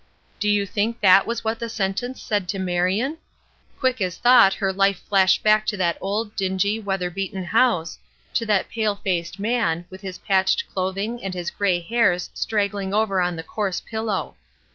Do you think that was what the sentence said to Marion? Quick as thought her life flashed back to that old dingy, weather beaten house, to that pale faced man, with his patched clothing and his gray hairs straggling over on the coarse pillow.